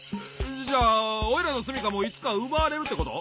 じゃおいらのすみかもいつかうばわれるってこと？